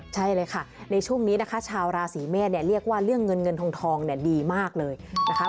ใช่เลยค่ะในช่วงนี้นะคะชาวราศีเมษเนี่ยเรียกว่าเรื่องเงินเงินทองเนี่ยดีมากเลยนะคะ